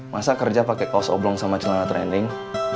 masa kerja pakai kaos oblong sama celana trending